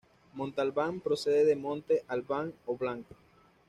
Montalbán procede de "monte albán o blanco".